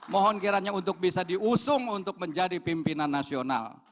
mohon kiranya untuk bisa diusung untuk menjadi pimpinan nasional